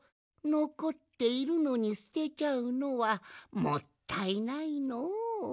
のこっているのにすてちゃうのはもったいないのう。